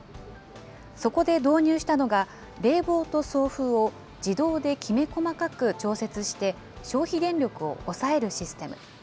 そこで導入したのが、冷房と送風を自動できめ細かく調節して、消費電力を抑えるシステム。